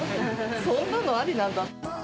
そんなのありなんだ。